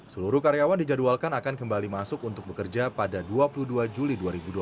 seluruh karyawan dijadwalkan akan kembali masuk untuk bekerja pada dua puluh dua juli dua ribu dua puluh